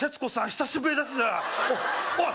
久しぶりですおい